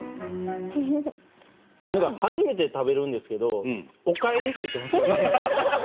何か初めて食べるんですけど「おかえり」って言ってますよね。